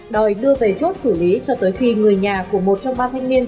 đòi đưa về chốt xử lý cho tới khi người nhà của một trong ba thanh niên